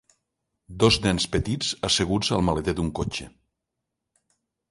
Dos nens petits asseguts al maleter d'un cotxe.